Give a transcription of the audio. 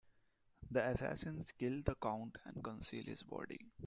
The assassins kill the Count and conceal his body.